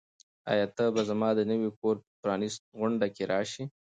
آیا ته به زما د نوي کور په پرانیستغونډه کې راشې؟